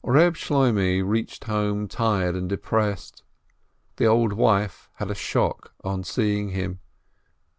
Reb Shloimeh reached home tired and depressed. The old wife had a shock on seeing him.